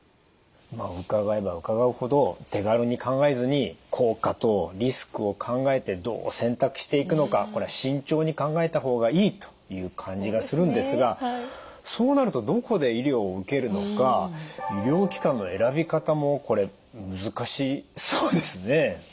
伺えば伺うほど手軽に考えずに効果とリスクを考えてどう選択していくのかこれは慎重に考えた方がいいという感じがするんですがそうなるとどこで医療を受けるのか医療機関の選び方もこれ難しいですね。